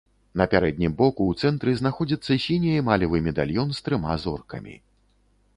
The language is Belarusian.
На пярэднім боку ў цэнтры знаходзіцца сіні эмалевы медальён з трыма зоркамі.